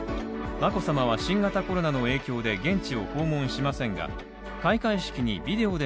眞子さまは新型コロナの影響で現地を訪問しませんが、開会式にビデオで